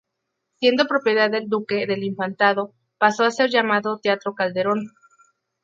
Siendo propiedad del Duque del Infantado pasó a ser llamado Teatro Calderón.